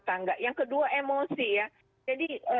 tangga yang kedua emosi ya jadi